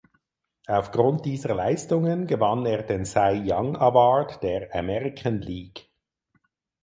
Aufgrund dieser Leistungen gewann er den Cy Young Award der American League.